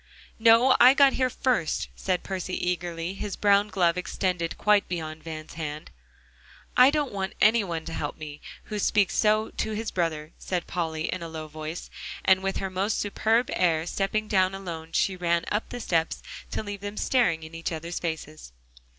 "No, I got here first," said Percy eagerly, his brown glove extended quite beyond Van's hand. "I don't want any one to help me, who speaks so to his brother," said Polly in a low voice, and with her most superb air stepping down alone, she ran up the steps to leave them staring in each other's faces.